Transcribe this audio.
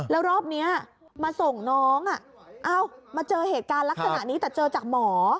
แล้วรอบนี้มาส่งน้องมาเจอเหตุการณ์ลักษณะนี้แต่เจอจากหมอ